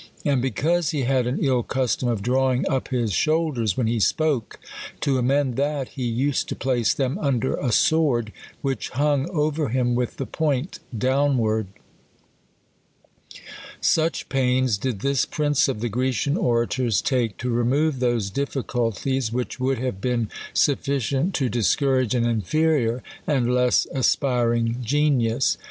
And because he had an ill custom of drawing up his shoulders when he spoke, to amend that,, lie used to place them under a swoixl, which hung over him with the point downv/ard. Such pains did this prince of the Grecian orators take " to remove those diiliculties, which would have been sufficient to discourage an inferior, and less aspiring genius.